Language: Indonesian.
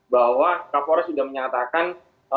bahwa kapolres sudah menyatakan